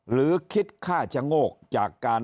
หรือคิดฆ่าชะโงกจากการ